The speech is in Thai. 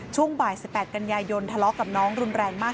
ช่วงบ่าย๑๘กันยายนทะเลาะกับน้องรุนแรงมาก